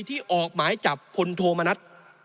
ที่ออกหมายจับพลโทมณัฐ